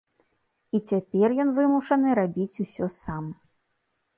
І цяпер ён вымушаны рабіць усё сам.